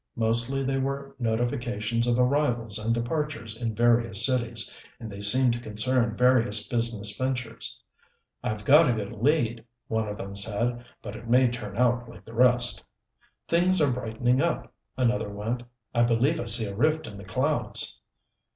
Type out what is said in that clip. Mostly they were notifications of arrivals and departures in various cities, and they seemed to concern various business ventures. "I've got a good lead," one of them said, "but it may turn out like the rest." "Things are brightening up," another went. "I believe I see a rift in the clouds."